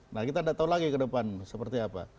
nah kita tidak tahu lagi ke depan seperti apa